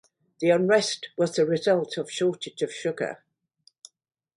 The unrest was the result of shortage of sugar.